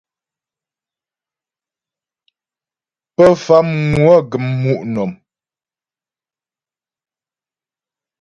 Pə Famŋwə gəm mu' nɔ̀m.